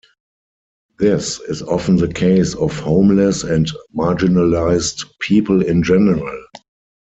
This is often the case of homeless and marginalized people in general.